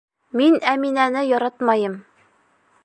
Мин Әминәне яратмайым.